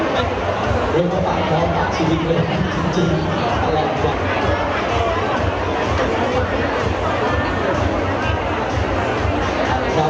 เริ่มกับปากพร้อมปากชีวิตเลยจริงอร่อยกว่า